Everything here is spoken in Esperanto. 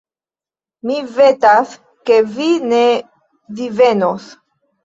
Mi vetas, ke vi ne divenos.